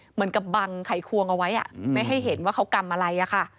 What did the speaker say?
เหมือนกับบังไขควงเอาไว้ไม่ให้เห็นว่าเขากำอะไรอะค่ะ